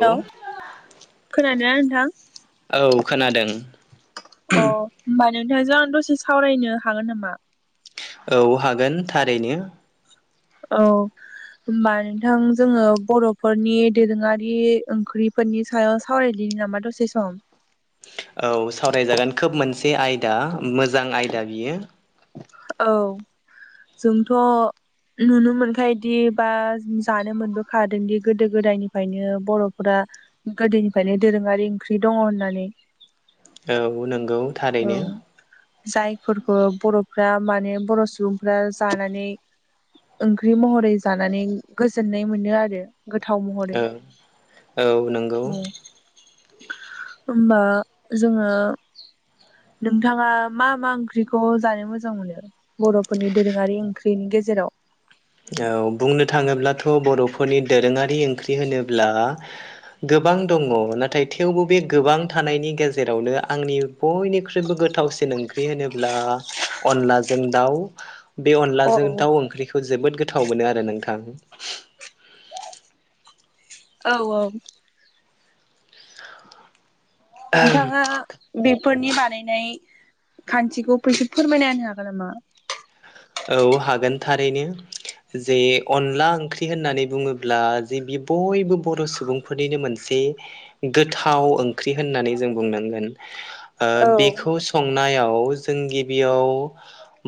औ खोनादों ना नोंथां? औ खोनादों। अ होमबा नोंथांजों आं दसे सावरायनो हागोन नामा? औ हागोन थारैनो। औ। होमबा नोंथां जोङो बर'फोरनि दोरोङारि ओंख्रिफोरनि सायाव सावराय दिनि। नि नामा दसे सम? औ सावरायजागोन खोब मोनसे आयदा मोजां आयदा बियो। औ जोंथ'। नुनो मोनखायोदि बा जानो मोनबोखादोंदि गोदो गोदायनिफ्रायनो बर'फोरा। गोदोनिफ्रायनो दोरोङारि ओंख्रि दङ' होननानै। औ नंगौ औ थारैनो। जायफोरखौ बर'फ्रा माने बर' सुबुंफ्रा जानानै ओंख्रि महरै जानानै गोजोननाय मोनो आरो गोथाव महरै औ औ नंगौ न' होमबा जोङो नोंथाङा मा मा ओंख्रिखौ जानो मोजां मोनो। बर'फोरनि दोरोङारि ओंख्रिनि गेजेराव। औ बुंनो थाङोब्लाथ' बर'फोरनि दोरोङारि ओंख्रि होनोब्ला गो गोबां दङ नाथाय थेवबो बे गोबां थानायनि गेजेरावनो आंनि बयनिख्रुइबो गोथावसिन ओंख्रि होनोब्ला अनलाजों दाउ। बे औ अनलाजों दाउ ओंख्रिखौ जोबोद गोथाव मोनो आरो नोंथां। औ औ। नोंथाङा बे फोरनि बानायनाय खान्थिखौ फोरसे फोरमायना होनो हागोन नामा? औ हागोन थारैनो। जे अनला ओंख्रि होननानै बुङोब्ला जे बियो बयबो बर' सुबुंफोरनिनो मोनसे गोथाव ओंख्रि होननानै जों बुंनांगोन। ओ औ बेखौ संनायाव जों गिबियाव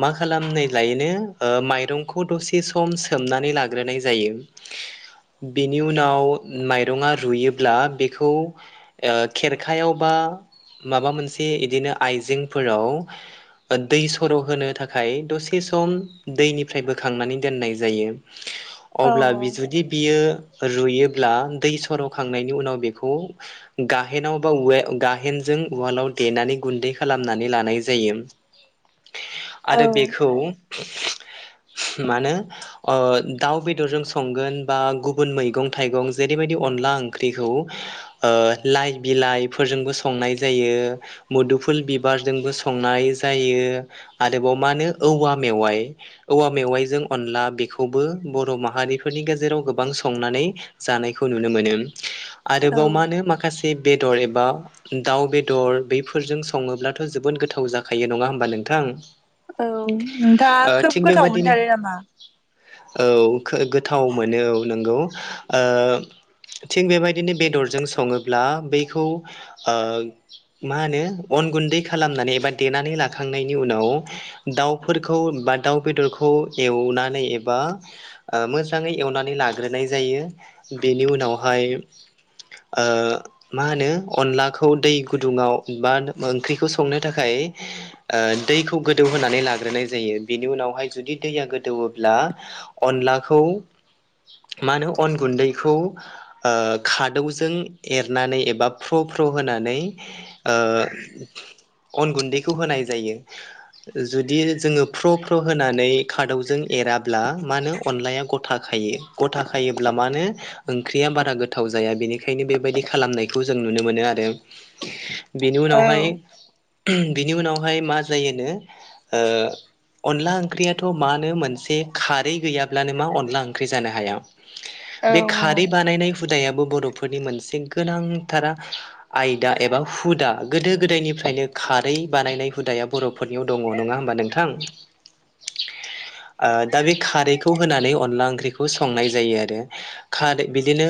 मा खालामनाय लायोनो ओ माइरंखौ दसे सम सोमनानै लाग्रोनाय जायो। बेनि उनाव माइरङा रुयोब्ला बेखौ खेरखायाव बा माबा मोनसे इदिनो आइजेंफोराव दै सर' होनो थाखाय दसे थि सम दैनिफ्राय बोखांनानै दोननाय जायो औ अब्ला जुदि बियो रुयोब्ला दै सर'खांनायनि उनाव बेखौ गाहेनाव बा वेल गाहेन जों जों उवालाव देनानै गुन्दै खालामनानै लानाय जायो। [unintelligible] औ। आरो [unintelligible] मानो ओ दाउ बेदरजों संगोन बा गुबुन मैगं थाइगं जेरैबायदि अनला ओंख्रिखौ ओ बिलाइफोरजोबो संनाय जायो मुदु फुल बिबारजोंबो संनाय जायो आरोबाव मानो औवा मेवाइ औवा मेवाइजों अनला बेखौबो बर' माहारिफोरनि गेजेराव गोबां संनानै जानायखौ नुनो मोनो। औ आरोबाव मा होनो माखासे बेदर एबा दाउ बेदर बफोरजों सङोब्लाथ' जोबोद गोथाव जाखायो नङा होमबा नोंथां? उम। औ नोंथाङा खोब गोथाव मोनथारो नामा? औ गोथाव मोनो औ नोंगौ ओ थिग बेबायदिनो बेदरजों सङोब्ला बैखौ ओ मा होनो अन गुन्दै खालामनानै एबा देनानै लाखांनायनि उनाव दाउफोरखौ बा दाउ बेदरखौ एवनानै एबा मोजाङै एवनानै ला हाग्रोनाय जायो बेनि उनावहाय ओ मा होनो अनलाखौ दै गुदुङाव बा ओंख्रिखौ संनो थाखाय ओ दैखौ गोदौ होनानै लाग्रोनाय जायो। बेनि उनावहाय जुदि दैया गोदौवोब्ला अनलाखौ माहोनो अन गुन्दैखौ ओ खादौजों एरनानै एबा फ् -फ्र होनानै ओ अन गुन्दैखौ होनाय जायो। जुदि जोङो प्र' प्र' होनानै खारदौजों एराब्ला मानो अनलाया गथाखाय गथा खायोब्ला मानो ओंख्रिया बारा गोथाव जाया बेनिखायनो बेबायदि खालामनायखौ जों नुनो मोन मोनो आरो बेनि औ उनावहाय मा जायोनो ओ अनला ओंख्रियाथ' मानो मोनसे खारै गैयाब्लानो मा अनला ओंख्रि जानो हाया। औ बे खारै बानायनाय हुदायाबो बर'फोरनि मोनसे गोनांथारा आयदा एबा हुदा गोदो गोदायनि निफ्रायनो खारै बानायनाय हुदाया बर'फोरनियाव दङ नङा होमबा नोंथां? [inaudible] ओ दा बे खारैखौ होनानै अनला ओंख्रिखौ संनाय जायो आरो खारै बिदिनो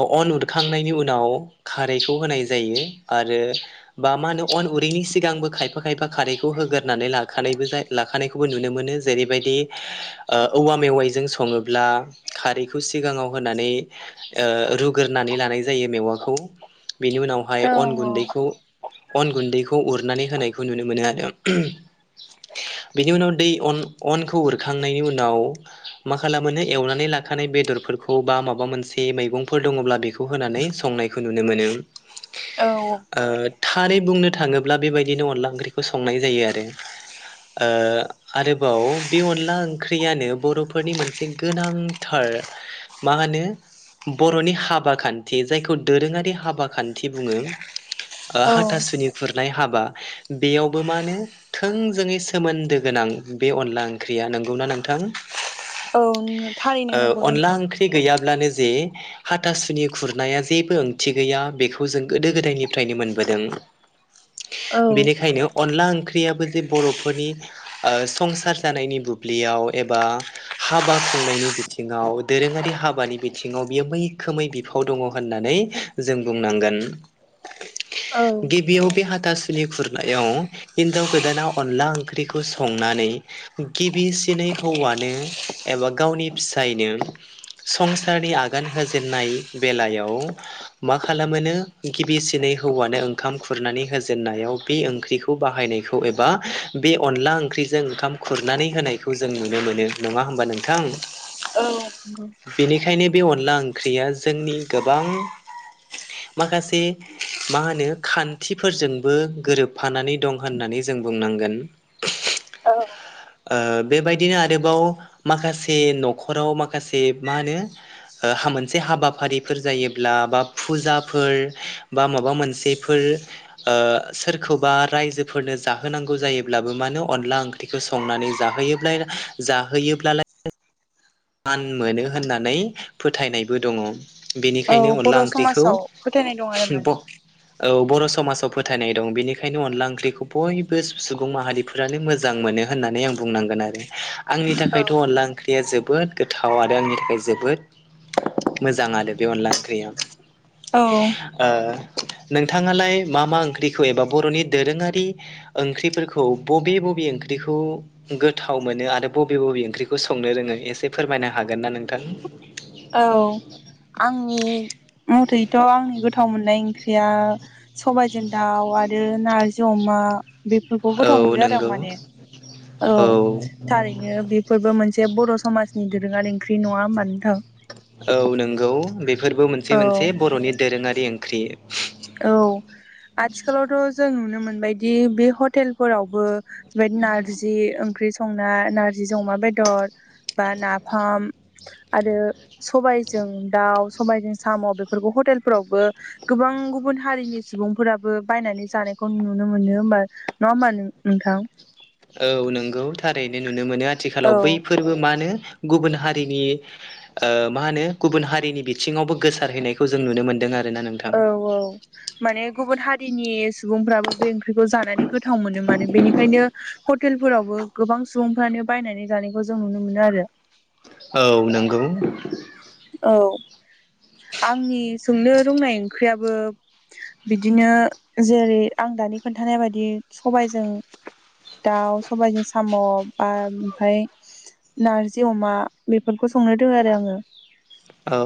ओ अन उरखांनायनि उनाव खारैखौ होनाय जायो आरो बा मा होनो अन उर -रैनि सिगांबो खायफा खायफा खारैखौ होगोरनानै लाखानायबो लाखानायखौबो नुनो मोनो जेरैबायदि ओ औवा मेवाइजों स सङोब्ला खारैखौ सिगाङाव होनानै ओ रुग्रोनानै लानाय जायो मेवाखौ। बेनि उनावहाय औ अन गुन्दैखौ अन गुन्दैखौ उरनानै होनायखौ नुनो मोनो आरो। [unintelligible] [inaudible] बिनि उनाव दै अन अनखौ उरखांनायनि उनाव मा खालामो एवनानै लाखानाय बेदरफोर -फोरखौ बा माबा मोनसे मैगंफोर दङब्ला बेखौ होनानै संनायखौ नुनो मोनो औ ओ थारै बुंनो थाङोब्ला बेबायदिनो अनला ओंख्रिखौ संनाय जायो आरो ओ आरोबाव बे अनला ओंख्रियानो बर'फोरनि मोनसे गोनांथार मा होनो। बर'नि हाबा खान्थि जायखौ दोरोङारि हाबा खान्थि बुङो। औ हाथासुनि खुरनाय हाबा बेयावबो मा होनो। थोंजोङै सोमोन्दो गोनां बे अनला ओंख्रिया नंगौना नोंथां? औ थारैनो ओ नंगौ अनला नोंथां ओंख्रि गैयाब्लानो जे हाथासुनि खुरनाया जेबो ओंथि गैया बेखौ जों गोदो गोदायनिफ्रायनो मोनबोदों। [unintelligible] औ बेनिखायनो अनला ओंख्रि -याबो जे बर'फोरनि संसार जानायनि बुब्लियाव एबा हाबा खु खुंनायनि बिथिङाव दोरोङारि हाबानि बिथिङाव बियो मैखोमै बिफाव दङ होननानै जों बुंनांगोन औ गिबियाव बे हाथासुनि खुरनायाव हिनजाव गोदाना अनला ओंख्रिखौ संनानै गिबिसिनै हौवानो एबा गावनि फिसायनो संसारनि आगान होजेननाय बेलायाव मा खालामोनो गिबिसिनै हौवानो ओं--खाम खुरनानै होजेननायाव बे ओंख्रिखौ बाहायनायखौ एबा बे अनला ओंख्रिजों ओंखाम खुरनानै होनायखौ जों नुनो मोनो। नङा होम -बा नोंथां औ नंगौ। बेनिखायनो बे अनला ओंख्रिया जोंनि गोबां माखासे मा होनो खान्थिफोरजोंबो गोरोबफानानै दं होननानै जों बुंनांगोन। औ ओ बेबायदिनो आरोबाव माखासे न'खराव माखासे मा होनो ओ मोनसे हाबाफारिफोर जायोब्ला बा फुजाफोर बा माबा मोनसेफोर ओ सोरखौबा राय -जोफोरनो जाहोनांगौ जायोब्लाबो मानो अनला ओंख्रिखौ संनानै जोहोयोब्ला जाहोयोब्लालाय मान मोनो होननानै फोथायनायबो दङ। औ बेनिखायनो अनला बर' ओंख्रिखौ समाजाव फोथायनाय दं आरो माने ब औ बर' समाजाव फोथायनाय दं बेनिखायनो अनला ओंख्रिखौ बयबो सुबुं माहारिफ्रानो मोजां मोनो। होननानै आं बुंनांगोन आरो आंनि थाखायथ' अनला ओंख्रिया जोब -बोद गोथाव आरो आंनि थाखाय जोबोद मोजां आरो बे अनला ओंख्रिया। औ ओ नोंथाङालाय मा मा ओंख्रिखौ एबा बर'नि दोरोङारि ओंख्रिफोरखौ बबे बबे -बे ओंख्रिखौ गोथाव मोनो आरो बबे बबे ओंख्रिखौ संनो रोङो एस -से फोरमायनो हागोन ना नोंथां औ। आंनि मथैथ' आंनि गोथाव मोननाय ओंख्रिया सबायाइजों दाउ। आरो नारजि अमा- बेफोरखौ औ गोथाव मोनो आरो आं नंगौ माने औ थारैनो बेफोरबो मोनसे एसे बर' समाजनि दोरोङारि ओंख्रि नङा होमबानोथां? औ नंगौ। बेफोरबो मोनसे औ मोनसे बर'नि दोरोङारि ओंख्रि। औ। आथिखालावथ' जों नुनो मोनबायदि बे हटेलफोरावबो बेबदि नारजि ओंख्रि संना नारजि नारजि जों अमा बेदर बा नाफाम आरो सबायजों दाव सबायजों साम' बेफोरखौ हटेलफोरावबो गोबां गुबुन हारिनि सुबुंफोराबो बायनानै जानायखौ नुनो मोनो होमबा नङा होमबा नोंथां? औ नंगौ थारैनो नुनो मोनो। औ आथिखालाव बै फोरबो मानो गुबुन हारिनिओ मा होनो गुबुन हारिनि बिथिङावबो गोसारहैनायखौ जों नुनो मोनदों आरो। औ औ। माने गुबुन हारिनि सुबुंफ्राबो बे ओंख्रिखौ जानानै गोथाव मोनो मानो बेनिखायनो हटेलफोरावबो गोबां सुबुंफ्रानो बायनानै जानायखौ जों नुनो मोनो आरो। [inaudible] औ नंगौ। औ आंनि संनो रोंनाय ओंख्रियाबो बिदिनो जेरै आं दानि खोन्थानाय बायदि सबायजों दाउ सबायाइजों साम' बा ओमफ्राय नारजि अमा बे बेफोरखौ संनो दोङो आरो आङो। औ।